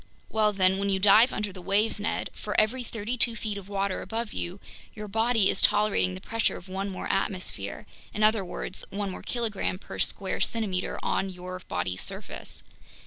Well then, when you dive under the waves, Ned, for every thirty two feet of water above you, your body is tolerating the pressure of one more atmosphere, in other words, one more kilogram per each square centimeter on your body's surface.